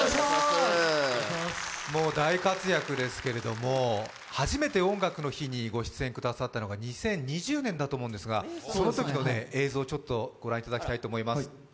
もう大活躍ですけど初めて「音楽の日」にご出演くださったのが２０２０年だと思うんですがそのときの映像をご覧いただきたいと思います。